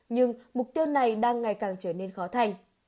nhưng mục tiêu này đang ngày càng trở nên khó thành